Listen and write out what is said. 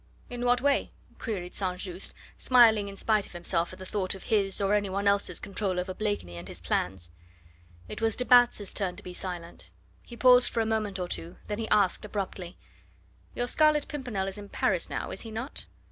"In what way?" queried St. Just, smiling in spite of himself at the thought of his or any one else's control over Blakeney and his plans. It was de Batz' turn to be silent. He paused for a moment or two, then he asked abruptly: "Your Scarlet Pimpernel is in Paris now, is he not?"